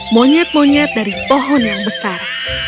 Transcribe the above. monyet monyet dari pohon yang besar